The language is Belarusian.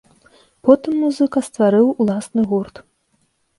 Потым музыка стварыў уласны гурт.